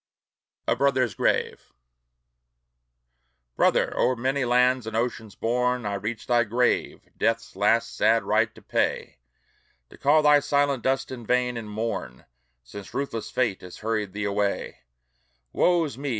A BROTHER'S GRAVE Brother! o'er many lands and oceans borne, I reach thy grave, death's last sad rite to pay; To call thy silent dust in vain, and mourn, Since ruthless fate has hurried thee away: Woe's me!